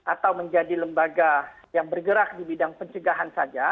atau menjadi lembaga yang bergerak di bidang pencegahan saja